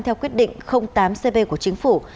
theo quyết định tám cp của chính phủ